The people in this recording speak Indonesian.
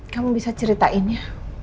kamu bisa ceritain ya